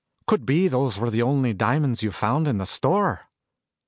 "Could be those were the only diamonds you found in the store."